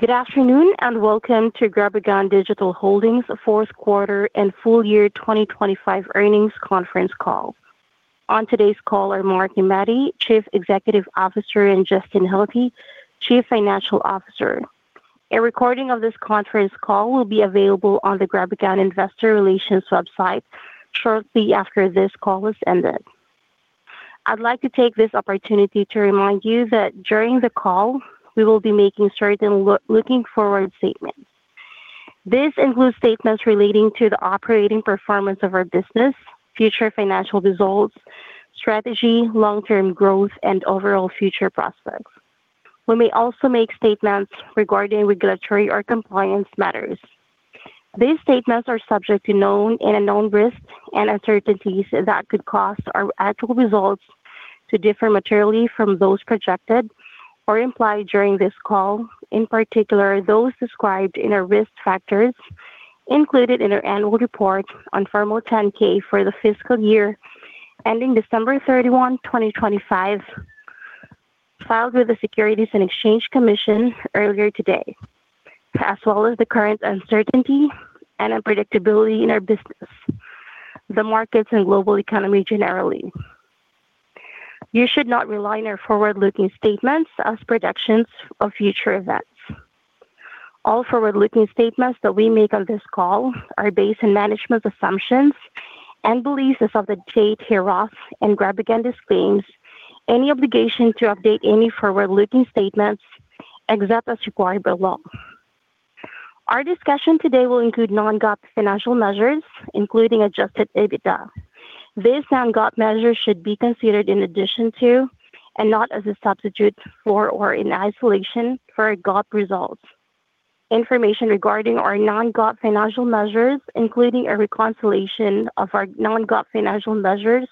Good afternoon, and welcome to GrabAGun Digital Holdings fourth quarter and full year 2025 earnings conference call. On today's call are Marc Nemati, Chief Executive Officer, and Justin Hilty, Chief Financial Officer. A recording of this conference call will be available on the GrabAGun Investor Relations website shortly after this call has ended. I'd like to take this opportunity to remind you that during the call, we will be making certain forward-looking statements. This includes statements relating to the operating performance of our business, future financial results, strategy, long-term growth, and overall future prospects. We may also make statements regarding regulatory or compliance matters. These statements are subject to known and unknown risks and uncertainties that could cause our actual results to differ materially from those projected or implied during this call. In particular, those described in our risk factors included in our annual report on Form 10-K for the fiscal year ending December 31, 2025, filed with the Securities and Exchange Commission earlier today, as well as the current uncertainty and unpredictability in our business, the markets and global economy generally. You should not rely on our forward-looking statements as predictions of future events. All forward-looking statements that we make on this call are based on management's assumptions and beliefs as of the date hereof, and GrabAGun disclaims any obligation to update any forward-looking statements except as required by law. Our discussion today will include non-GAAP financial measures, including adjusted EBITDA. These non-GAAP measures should be considered in addition to and not as a substitute for or in isolation for our GAAP results. Information regarding our non-GAAP financial measures, including a reconciliation of our non-GAAP financial measures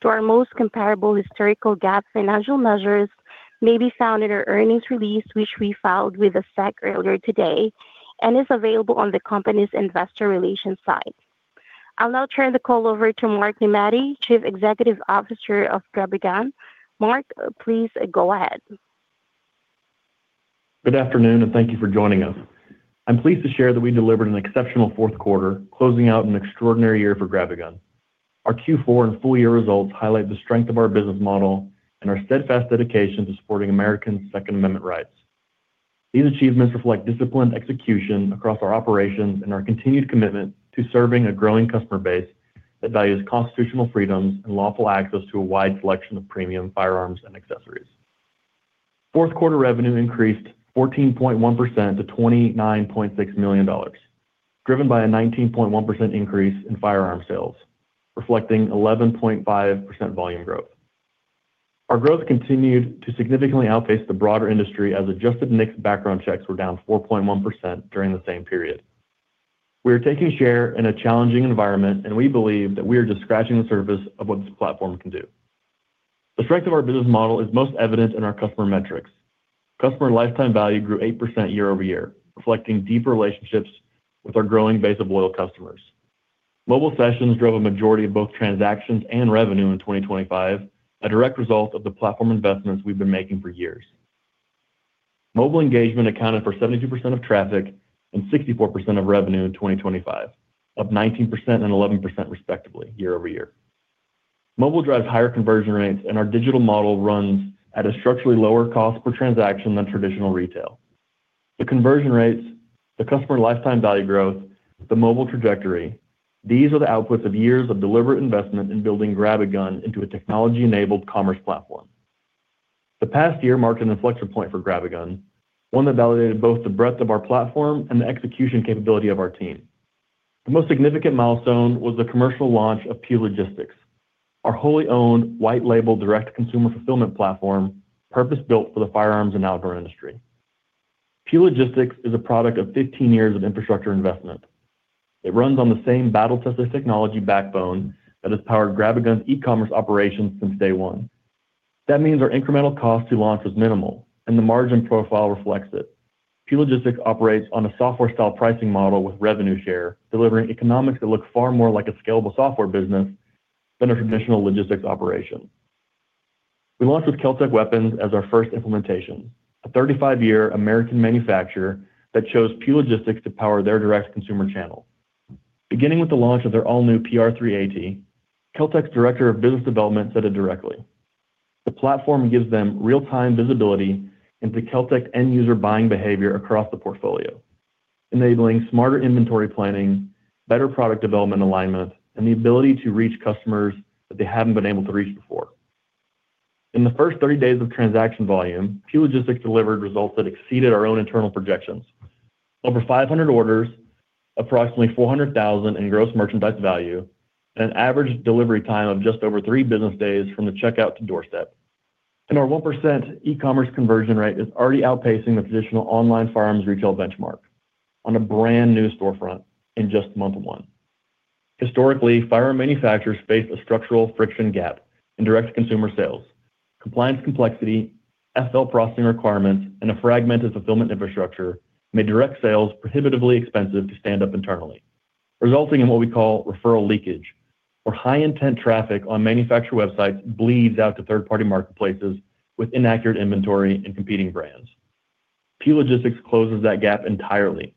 to our most comparable historical GAAP financial measures may be found in our earnings release, which we filed with the SEC earlier today and is available on the company's investor relations site. I'll now turn the call over to Marc Nemati, Chief Executive Officer of GrabAGun. Marc, please go ahead. Good afternoon, and thank you for joining us. I'm pleased to share that we delivered an exceptional fourth quarter, closing out an extraordinary year for GrabAGun. Our Q4 and full year results highlight the strength of our business model and our steadfast dedication to supporting Americans' Second Amendment rights. These achievements reflect disciplined execution across our operations and our continued commitment to serving a growing customer base that values constitutional freedoms and lawful access to a wide selection of premium firearms and accessories. Fourth quarter revenue increased 14.1% to $29.6 million, driven by a 19.1% increase in firearm sales, reflecting 11.5% volume growth. Our growth continued to significantly outpace the broader industry as adjusted NICS background checks were down 4.1% during the same period. We are taking share in a challenging environment, and we believe that we are just scratching the surface of what this platform can do. The strength of our business model is most evident in our customer metrics. Customer lifetime value grew 8% year-over-year, reflecting deep relationships with our growing base of loyal customers. Mobile sessions drove a majority of both transactions and revenue in 2025, a direct result of the platform investments we've been making for years. Mobile engagement accounted for 72% of traffic and 64% of revenue in 2025, up 19% and 11% respectively year-over-year. Mobile drives higher conversion rates, and our digital model runs at a structurally lower cost per transaction than traditional retail. The conversion rates, the customer lifetime value growth, the mobile trajectory, these are the outputs of years of deliberate investment in building GrabAGun into a technology-enabled commerce platform. The past year marked an inflection point for GrabAGun, one that validated both the breadth of our platform and the execution capability of our team. The most significant milestone was the commercial launch of PEW Logistics, our wholly owned white label direct consumer fulfillment platform, purpose-built for the firearms and outdoor industry. PEW Logistics is a product of 15 years of infrastructure investment. It runs on the same battle-tested technology backbone that has powered GrabAGun's e-commerce operations since day one. That means our incremental cost to launch was minimal, and the margin profile reflects it. PEW Logistics operates on a software-style pricing model with revenue share, delivering economics that look far more like a scalable software business than a traditional logistics operation. We launched with KelTec as our first implementation, a 35-year American manufacturer that chose PEW Logistics to power their direct consumer channel. Beginning with the launch of their all-new P-3AT, KelTec's Director of Business Development said it directly. The platform gives them real-time visibility into KelTec end user buying behavior across the portfolio, enabling smarter inventory planning, better product development alignment, and the ability to reach customers that they haven't been able to reach before. In the first 30 days of transaction volume, PEW Logistics delivered results that exceeded our own internal projections. Over 500 orders, approximately $400,000 in gross merchandise value, and an average delivery time of just over three business days from the checkout to doorstep. Our 1% e-commerce conversion rate is already outpacing the traditional online firearms retail benchmark on a brand-new storefront in just month one. Historically, firearm manufacturers faced a structural friction gap in direct consumer sales, compliance complexity, FFL processing requirements, and a fragmented fulfillment infrastructure made direct sales prohibitively expensive to stand up internally. Resulting in what we call referral leakage, where high intent traffic on manufacturer websites bleeds out to third-party marketplaces with inaccurate inventory and competing brands. PEW Logistics closes that gap entirely,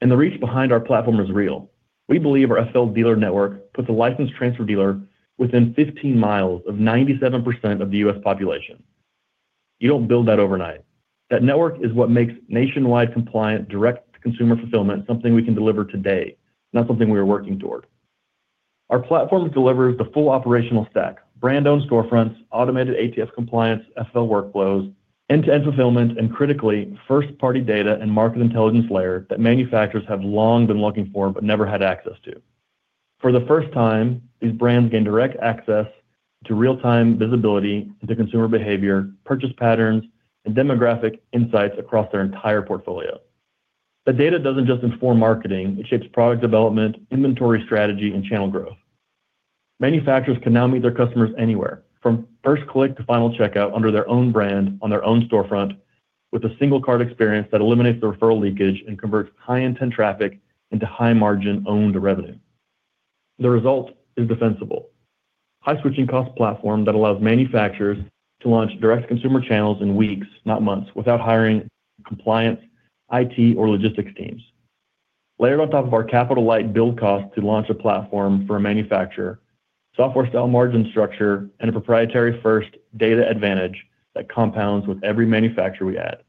and the reach behind our platform is real. We believe our FFL dealer network puts a license transfer dealer within 15 miles of 97% of the U.S. population. You don't build that overnight. That network is what makes nationwide compliant direct-to-consumer fulfillment something we can deliver today, not something we are working toward. Our platform delivers the full operational stack, brand-owned storefronts, automated ATF compliance, FFL workflows, end-to-end fulfillment, and critically, first-party data and market intelligence layer that manufacturers have long been looking for but never had access to. For the first time, these brands gain direct access to real-time visibility into consumer behavior, purchase patterns, and demographic insights across their entire portfolio. The data doesn't just inform marketing, it shapes product development, inventory strategy, and channel growth. Manufacturers can now meet their customers anywhere, from first click to final checkout under their own brand on their own storefront with a single card experience that eliminates the referral leakage and converts high-intent traffic into high-margin owned revenue. The result is defensible. High switching cost platform that allows manufacturers to launch direct consumer channels in weeks, not months, without hiring compliance, IT, or logistics teams. Layered on top of our capital-light build cost to launch a platform for a manufacturer, software style margin structure, and a proprietary first data advantage that compounds with every manufacturer we add.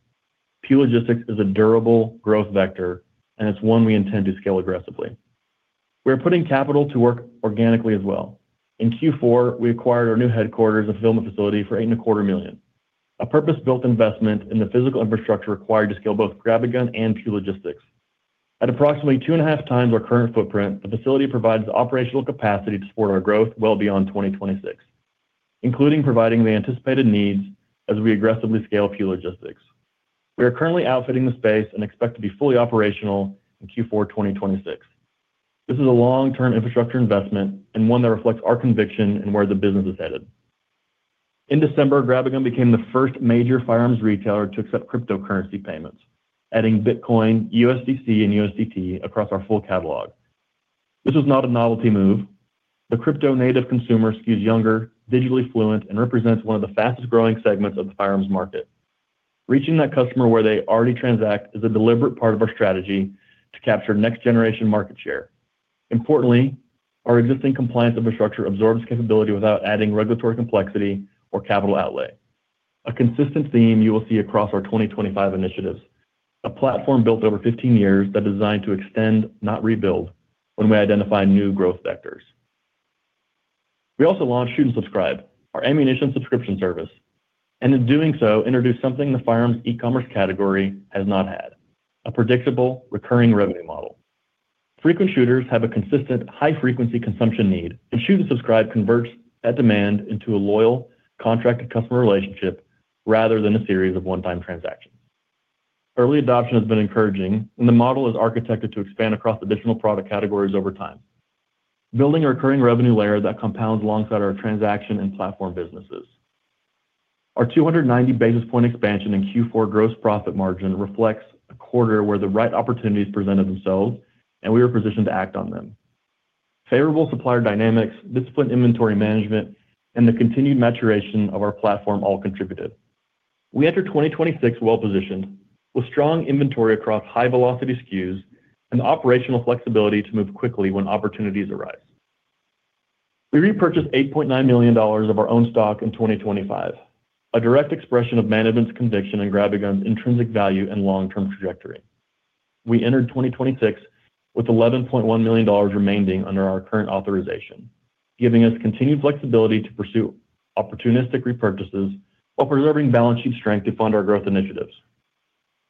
PEW Logistics is a durable growth vector, and it's one we intend to scale aggressively. We are putting capital to work organically as well. In Q4, we acquired our new headquarters and fulfillment facility for $8 and a quarter million. A purpose-built investment in the physical infrastructure required to scale both GrabAGun and PEW Logistics. At approximately two and a half times our current footprint, the facility provides operational capacity to support our growth well beyond 2026, including providing the anticipated needs as we aggressively scale PEW Logistics. We are currently outfitting the space and expect to be fully operational in Q4 2026. This is a long-term infrastructure investment and one that reflects our conviction in where the business is headed. In December, GrabAGun became the first major firearms retailer to accept cryptocurrency payments, adding Bitcoin, USDC, and USDT across our full catalog. This was not a novelty move. The crypto native consumer skews younger, digitally fluent, and represents one of the fastest-growing segments of the firearms market. Reaching that customer where they already transact is a deliberate part of our strategy to capture next-generation market share. Importantly, our existing compliance infrastructure absorbs capability without adding regulatory complexity or capital outlay. A consistent theme you will see across our 2025 initiatives, a platform built over 15 years that designed to extend, not rebuild, when we identify new growth vectors. We also launched Shoot to Subscribe, our ammunition subscription service, and in doing so, introduced something the firearms e-commerce category has not had, a predictable recurring revenue model. Frequent shooters have a consistent high-frequency consumption need, and Shoot to Subscribe converts that demand into a loyal contracted customer relationship rather than a series of one-time transactions. Early adoption has been encouraging, and the model is architected to expand across additional product categories over time. Building a recurring revenue layer that compounds alongside our transaction and platform businesses. Our 290 basis points expansion in Q4 gross profit margin reflects a quarter where the right opportunities presented themselves, and we were positioned to act on them. Favorable supplier dynamics, disciplined inventory management, and the continued maturation of our platform all contributed. We enter 2026 well-positioned with strong inventory across high-velocity SKUs and the operational flexibility to move quickly when opportunities arise. We repurchased $8.9 million of our own stock in 2025, a direct expression of management's conviction in GrabAGun's intrinsic value and long-term trajectory. We entered 2026 with $11.1 million remaining under our current authorization, giving us continued flexibility to pursue opportunistic repurchases while preserving balance sheet strength to fund our growth initiatives.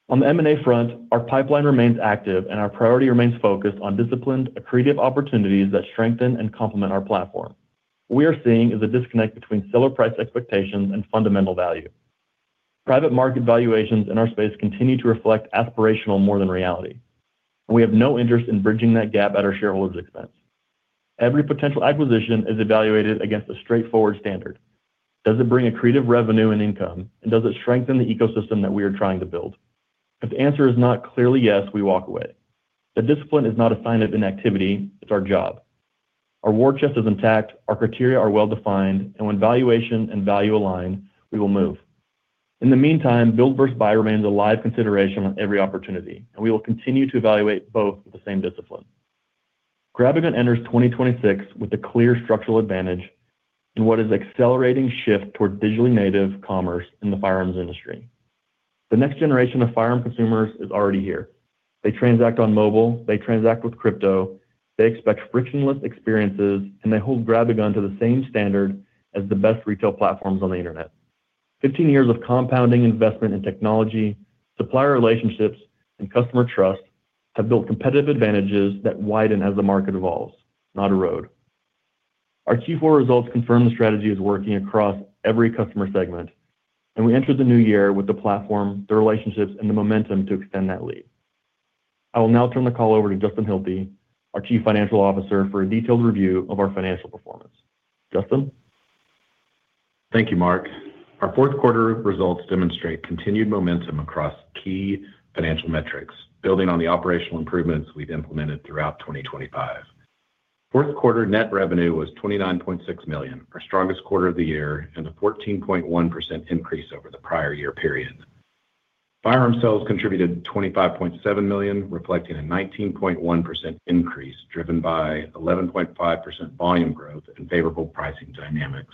On the M&A front, our pipeline remains active, and our priority remains focused on disciplined, accretive opportunities that strengthen and complement our platform. We are seeing a disconnect between seller price expectations and fundamental value. Private market valuations in our space continue to reflect aspirational more than reality. We have no interest in bridging that gap at our shareholders' expense. Every potential acquisition is evaluated against a straightforward standard. Does it bring accretive revenue and income, and does it strengthen the ecosystem that we are trying to build? If the answer is not clearly yes, we walk away. The discipline is not a sign of inactivity, it's our job. Our war chest is intact, our criteria are well-defined, and when valuation and value align, we will move. In the meantime, build versus buy remains a live consideration on every opportunity, and we will continue to evaluate both with the same discipline. GrabAGun enters 2026 with a clear structural advantage in what is an accelerating shift toward digitally native commerce in the firearms industry. The next generation of firearm consumers is already here. They transact on mobile, they transact with crypto, they expect frictionless experiences, and they hold GrabAGun to the same standard as the best retail platforms on the internet. 15 years of compounding investment in technology, supplier relationships, and customer trust have built competitive advantages that widen as the market evolves, not erode. Our Q4 results confirm the strategy is working across every customer segment, and we enter the new year with the platform, the relationships, and the momentum to extend that lead. I will now turn the call over to Justin C. Hilty, our Chief Financial Officer, for a detailed review of our financial performance. Justin? Thank you, Marc. Our fourth quarter results demonstrate continued momentum across key financial metrics, building on the operational improvements we've implemented throughout 2025. Fourth quarter net revenue was $29.6 million, our strongest quarter of the year, and a 14.1% increase over the prior year period. Firearm sales contributed $25.7 million, reflecting a 19.1% increase, driven by 11.5% volume growth and favorable pricing dynamics.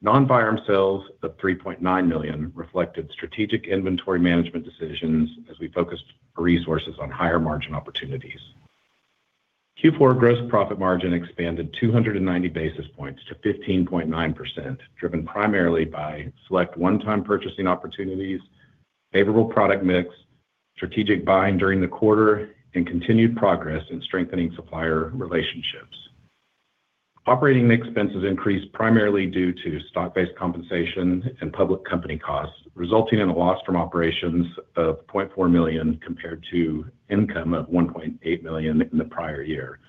Non-firearm sales of $3.9 million reflected strategic inventory management decisions as we focused resources on higher margin opportunities. Q4 gross profit margin expanded 290 basis points to 15.9%, driven primarily by select one-time purchasing opportunities, favorable product mix, strategic buying during the quarter, and continued progress in strengthening supplier relationships. Operating expenses increased primarily due to stock-based compensation and public company costs, resulting in a loss from operations of $0.4 million compared to income of $1.8 million in the prior year.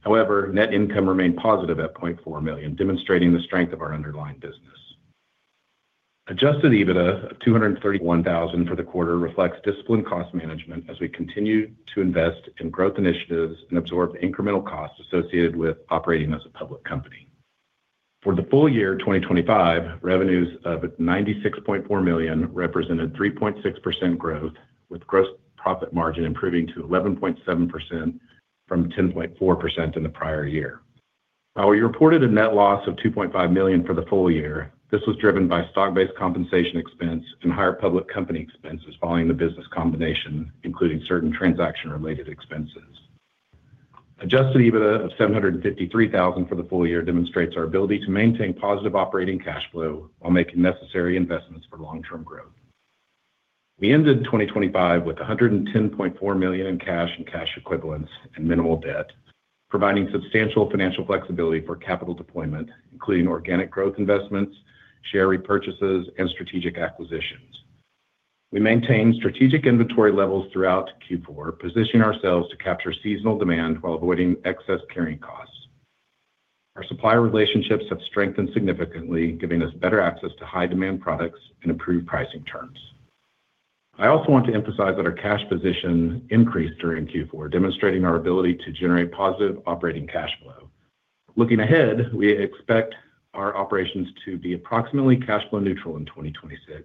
However, net income remained positive at $0.4 million, demonstrating the strength of our underlying business. Adjusted EBITDA of $231 thousand for the quarter reflects disciplined cost management as we continue to invest in growth initiatives and absorb incremental costs associated with operating as a public company. For the full year 2025, revenues of $96.4 million represented 3.6% growth, with gross profit margin improving to 11.7% from 10.4% in the prior year. While we reported a net loss of $2.5 million for the full year, this was driven by stock-based compensation expense and higher public company expenses following the business combination, including certain transaction-related expenses. Adjusted EBITDA of $753,000 for the full year demonstrates our ability to maintain positive operating cash flow while making necessary investments for long-term growth. We ended 2025 with $110.4 million in cash and cash equivalents and minimal debt, providing substantial financial flexibility for capital deployment, including organic growth investments, share repurchases, and strategic acquisitions. We maintained strategic inventory levels throughout Q4, positioning ourselves to capture seasonal demand while avoiding excess carrying costs. Our supplier relationships have strengthened significantly, giving us better access to high-demand products and improved pricing terms. I also want to emphasize that our cash position increased during Q4, demonstrating our ability to generate positive operating cash flow. Looking ahead, we expect our operations to be approximately cash flow neutral in 2026,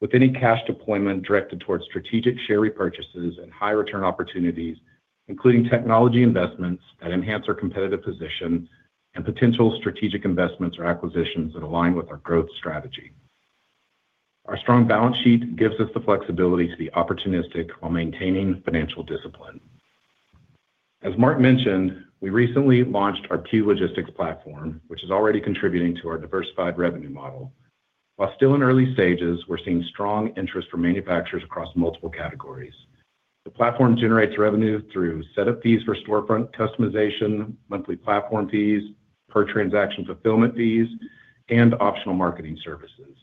with any cash deployment directed towards strategic share repurchases and high return opportunities, including technology investments that enhance our competitive position and potential strategic investments or acquisitions that align with our growth strategy. Our strong balance sheet gives us the flexibility to be opportunistic while maintaining financial discipline. As Marc mentioned, we recently launched our PEW Logistics platform, which is already contributing to our diversified revenue model. While still in early stages, we're seeing strong interest from manufacturers across multiple categories. The platform generates revenue through setup fees for storefront customization, monthly platform fees, per transaction fulfillment fees, and optional marketing services.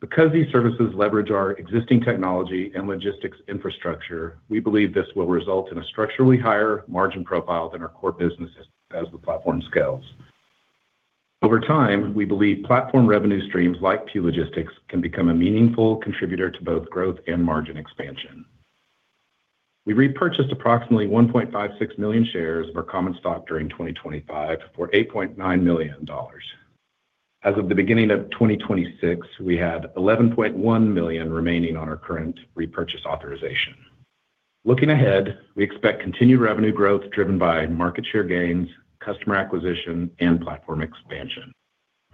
Because these services leverage our existing technology and logistics infrastructure, we believe this will result in a structurally higher margin profile than our core businesses as the platform scales. Over time, we believe platform revenue streams like PEW Logistics can become a meaningful contributor to both growth and margin expansion. We repurchased approximately 1.56 million shares of our common stock during 2025 for $8.9 million. As of the beginning of 2026, we had 11.1 million remaining on our current repurchase authorization. Looking ahead, we expect continued revenue growth driven by market share gains, customer acquisition, and platform expansion.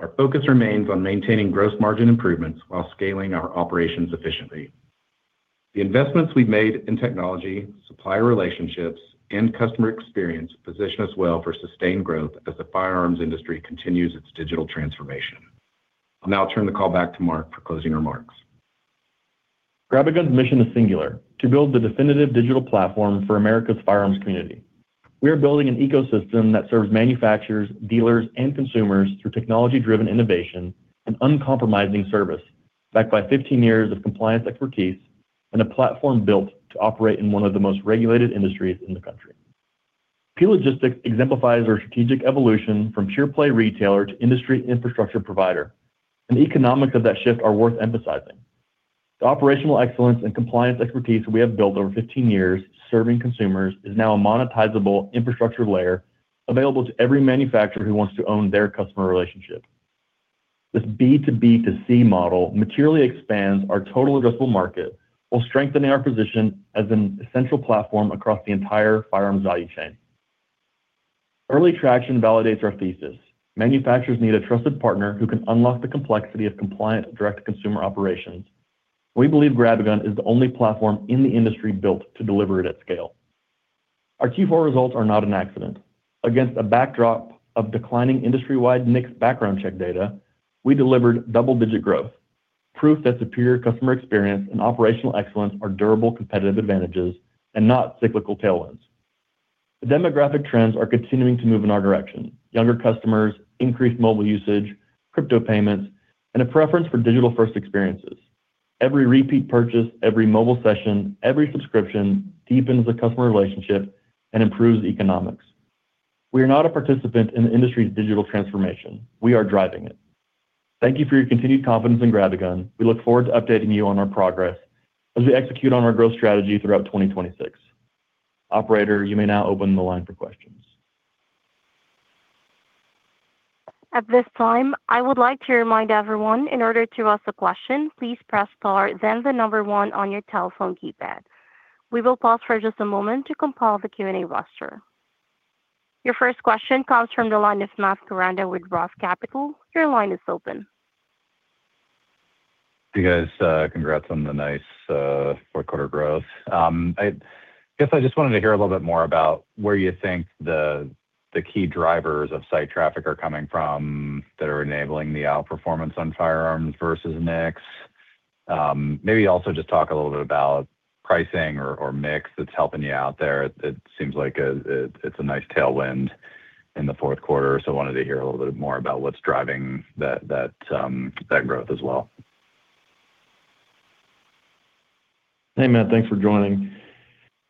Our focus remains on maintaining gross margin improvements while scaling our operations efficiently. The investments we've made in technology, supplier relationships, and customer experience position us well for sustained growth as the firearms industry continues its digital transformation. I'll now turn the call back to Marc for closing remarks. GrabAGun's mission is singular: to build the definitive digital platform for America's firearms community. We are building an ecosystem that serves manufacturers, dealers, and consumers through technology-driven innovation and uncompromising service, backed by 15 years of compliance expertise and a platform built to operate in one of the most regulated industries in the country. PEW Logistics exemplifies our strategic evolution from pure-play retailer to industry infrastructure provider, and the economics of that shift are worth emphasizing. The operational excellence and compliance expertise we have built over 15 years serving consumers is now a monetizable infrastructure layer available to every manufacturer who wants to own their customer relationship. This B to B to C model materially expands our total addressable market while strengthening our position as an essential platform across the entire firearms value chain. Early traction validates our thesis. Manufacturers need a trusted partner who can unlock the complexity of compliant direct-to-consumer operations. We believe GrabAGun is the only platform in the industry built to deliver it at scale. Our Q4 results are not an accident. Against a backdrop of declining industry-wide NICS background check data, we delivered double-digit growth, proof that superior customer experience and operational excellence are durable competitive advantages and not cyclical tailwinds. The demographic trends are continuing to move in our direction. Younger customers, increased mobile usage, crypto payments, and a preference for digital-first experiences. Every repeat purchase, every mobile session, every subscription deepens the customer relationship and improves the economics. We are not a participant in the industry's digital transformation. We are driving it. Thank you for your continued confidence in GrabAGun. We look forward to updating you on our progress as we execute on our growth strategy throughout 2026. Operator, you may now open the line for questions. At this time, I would like to remind everyone, in order to ask a question, please press star then the number one on your telephone keypad. We will pause for just a moment to compile the Q&A roster. Your first question comes from the line of Matt Koranda with ROTH Capital Partners. Your line is open. You guys, congrats on the nice, fourth quarter growth. I guess I just wanted to hear a little bit more about where you think the key drivers of site traffic are coming from that are enabling the outperformance on firearms versus mix. Maybe also just talk a little bit about pricing or mix that's helping you out there. It seems like, it's a nice tailwind in the fourth quarter. I wanted to hear a little bit more about what's driving that growth as well. Hey, Matt. Thanks for joining.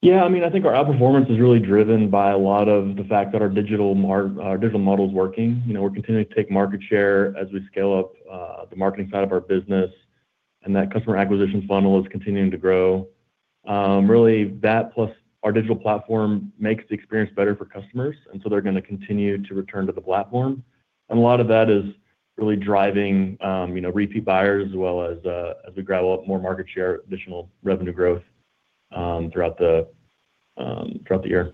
Yeah, I mean, I think our outperformance is really driven by a lot of the fact that our digital model is working. You know, we're continuing to take market share as we scale up the marketing side of our business, and that customer acquisition funnel is continuing to grow. Really that plus our digital platform makes the experience better for customers, and so they're gonna continue to return to the platform. A lot of that is really driving you know, repeat buyers as well as we grab a lot more market share, additional revenue growth throughout the year.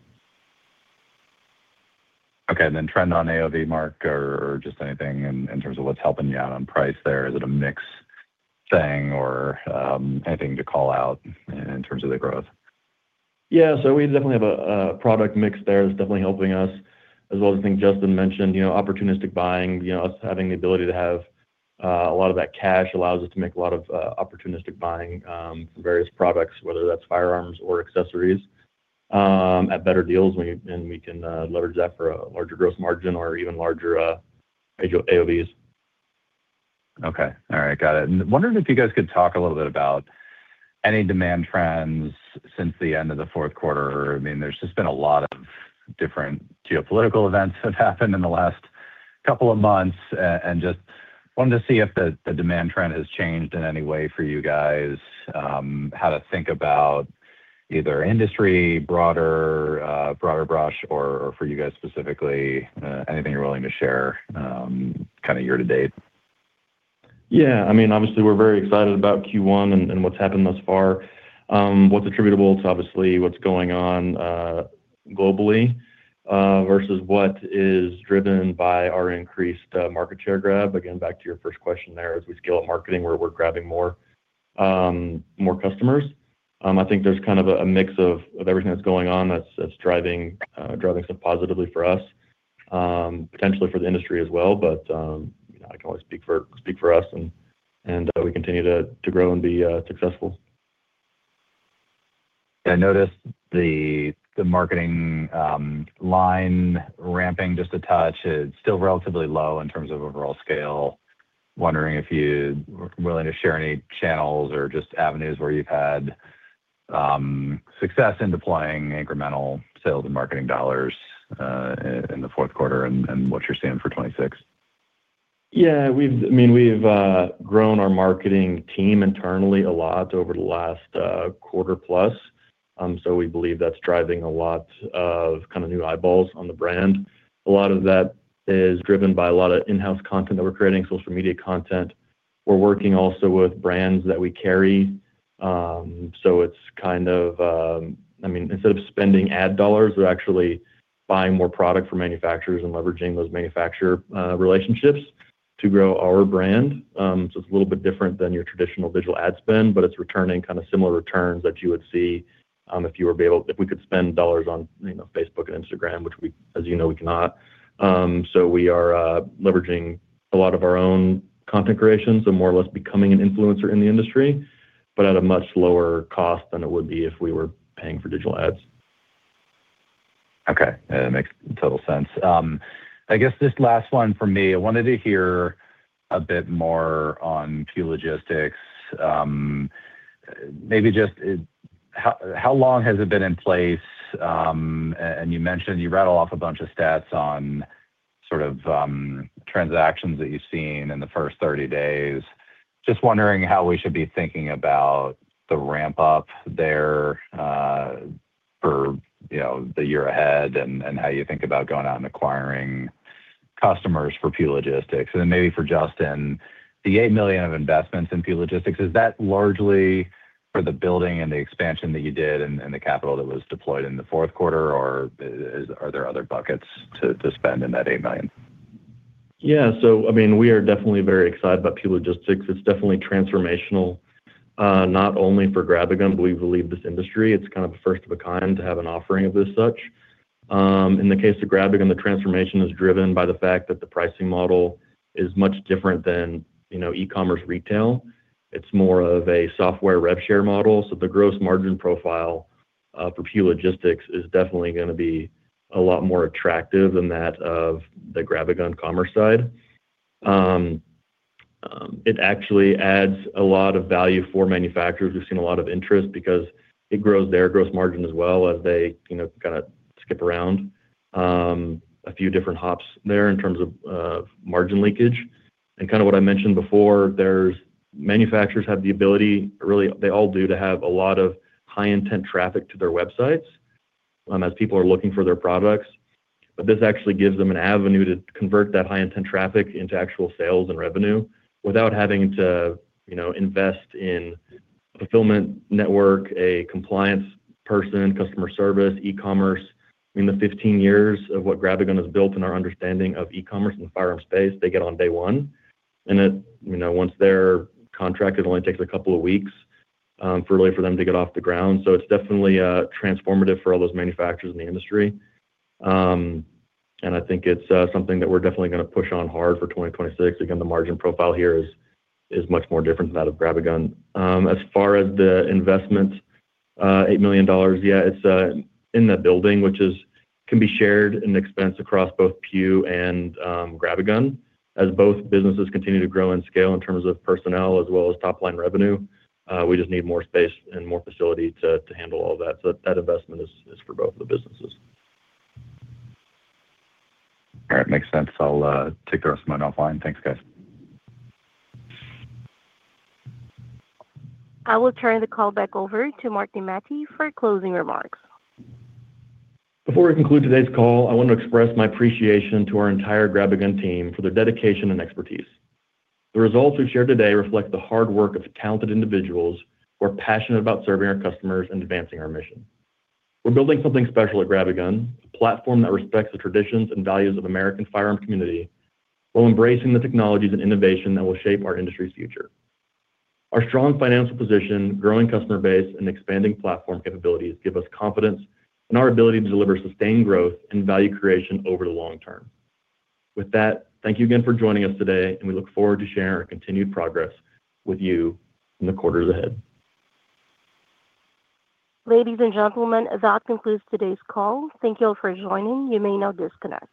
Okay. Trend on AOV, Marc, or just anything in terms of what's helping you out on price there. Is it a mix thing or anything to call out in terms of the growth? Yeah. We definitely have a product mix there that's definitely helping us as well as I think Justin mentioned, you know, opportunistic buying. You know, us having the ability to have a lot of that cash allows us to make a lot of opportunistic buying for various products, whether that's firearms or accessories at better deals and we can leverage that for a larger gross margin or even larger AOV's. Okay. All right. Got it. Wondering if you guys could talk a little bit about any demand trends since the end of the fourth quarter. I mean, there's just been a lot of different geopolitical events that have happened in the last couple of months. Just wanted to see if the demand trend has changed in any way for you guys, how to think about either industry broader brush or for you guys specifically, anything you're willing to share, kinda year to date. Yeah. I mean, obviously, we're very excited about Q1 and what's happened thus far. What's attributable to obviously what's going on globally versus what is driven by our increased market share grab. Again, back to your first question there, as we scale up marketing where we're grabbing more customers. I think there's kind of a mix of everything that's going on that's driving some positively for us, potentially for the industry as well. You know, I can only speak for us and we continue to grow and be successful. I noticed the marketing line ramping just a touch. It's still relatively low in terms of overall scale. Wondering if you were willing to share any channels or just avenues where you've had success in deploying incremental sales and marketing dollars in the fourth quarter and what's your spend for 2026. Yeah. I mean, we've grown our marketing team internally a lot over the last quarter plus. We believe that's driving a lot of kind of new eyeballs on the brand. A lot of that is driven by a lot of in-house content that we're creating, social media content. We're working also with brands that we carry. It's kind of, I mean, instead of spending ad dollars, we're actually buying more product from manufacturers and leveraging those manufacturer relationships to grow our brand. It's a little bit different than your traditional digital ad spend, but it's returning kinda similar returns that you would see if we could spend dollars on, you know, Facebook and Instagram, which, as you know, we cannot. We are leveraging a lot of our own content creation, so more or less becoming an influencer in the industry, but at a much lower cost than it would be if we were paying for digital ads. Okay. Yeah, that makes total sense. I guess this last one from me, I wanted to hear a bit more on PEW Logistics. Maybe just how long has it been in place? And you mentioned you rattle off a bunch of stats on sort of transactions that you've seen in the first 30 days. Just wondering how we should be thinking about the ramp up there, for you know the year ahead and how you think about going out and acquiring customers for PEW Logistics. Then maybe for Justin, the $8 million of investments in PEW Logistics, is that largely for the building and the expansion that you did and the capital that was deployed in the fourth quarter, or is there other buckets to spend in that $8 million? Yeah. I mean, we are definitely very excited about PEW Logistics. It's definitely transformational, not only for GrabAGun, but we believe this industry. It's kind of first of a kind to have an offering of this such. In the case of GrabAGun, the transformation is driven by the fact that the pricing model is much different than, you know, e-commerce retail. It's more of a software rev share model. The gross margin profile for PEW Logistics is definitely gonna be a lot more attractive than that of the GrabAGun commerce side. It actually adds a lot of value for manufacturers. We've seen a lot of interest because it grows their gross margin as well as they, you know, kinda skip around a few different hops there in terms of margin leakage. Kinda what I mentioned before, there's manufacturers have the ability, really, they all do to have a lot of high intent traffic to their websites, as people are looking for their products. This actually gives them an avenue to convert that high intent traffic into actual sales and revenue without having to, you know, invest in a fulfillment network, a compliance person, customer service, e-commerce. I mean, the 15 years of what GrabAGun has built and our understanding of e-commerce in the firearm space, they get on day one. It you know, once they're contracted, it only takes a couple of weeks, really for them to get off the ground. It's definitely transformative for all those manufacturers in the industry. I think it's something that we're definitely gonna push on hard for 2026. Again, the margin profile here is much more different than that of GrabAGun. As far as the investment, $8 million, yeah, it's in the building, which can be shared and expensed across both PEW and GrabAGun. As both businesses continue to grow and scale in terms of personnel as well as top-line revenue, we just need more space and more facility to handle all that. That investment is for both of the businesses. All right. Makes sense. I'll take the rest of mine offline. Thanks, guys. I will turn the call back over to Marc Nemati for closing remarks. Before we conclude today's call, I want to express my appreciation to our entire GrabAGun team for their dedication and expertise. The results we've shared today reflect the hard work of talented individuals who are passionate about serving our customers and advancing our mission. We're building something special at GrabAGun, a platform that respects the traditions and values of American firearms community while embracing the technologies and innovation that will shape our industry's future. Our strong financial position, growing customer base, and expanding platform capabilities give us confidence in our ability to deliver sustained growth and value creation over the long term. With that, thank you again for joining us today, and we look forward to sharing our continued progress with you in the quarters ahead. Ladies and gentlemen, that concludes today's call. Thank you all for joining. You may now disconnect.